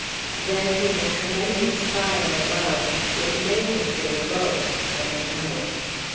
Then came a tremendous fire, above, which may have been a boat I don't know.